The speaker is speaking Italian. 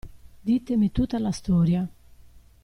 Ditemi tutta la storia.